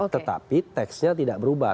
tetapi teksnya tidak berubah